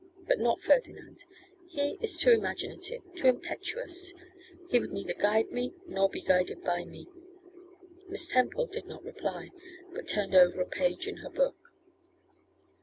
But not Ferdinand; he is too imaginative, too impetuous; he would neither guide me, nor be guided by me.' Miss Temple did not reply, but turned over a page of her book.